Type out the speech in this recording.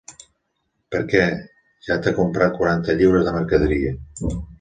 Per què, ja t'ha comprat quaranta lliures de mercaderia.